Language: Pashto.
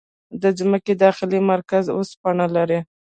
د ځمکې داخلي مرکز اوسپنه لري.